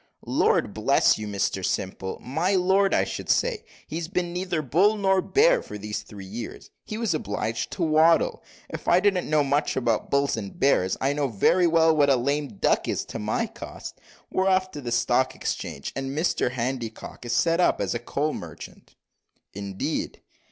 "Lord bless you, Mr Simple my lord, I should say he's been neither bull nor bear for these three years. He was obliged to waddle; if I didn't know much about bulls and bears, I know very well what a lame duck is to my cost. We're off the Stock Exchange, and Mr Handycock is set up as a coal merchant." "Indeed!"